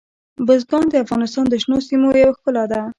بزګان د افغانستان د شنو سیمو یوه ښکلا ده.